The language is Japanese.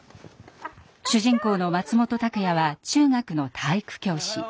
主人公の松本拓哉は中学の体育教師。